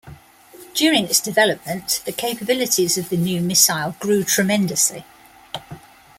During its development, the capabilities of the new missile grew tremendously.